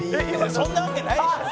そんなわけないでしょ！